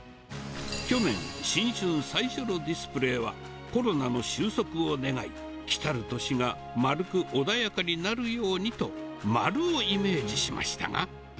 去年、新春最初のディスプレーは、コロナの収束を願い、来る年が丸く穏やかになるようにと、丸をイメージしましたが。